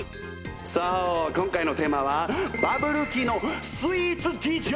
そう今回のテーマはバブル期のスイーツ事情！